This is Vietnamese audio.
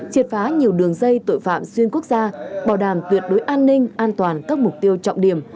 triệt phá nhiều đường dây tội phạm xuyên quốc gia bảo đảm tuyệt đối an ninh an toàn các mục tiêu trọng điểm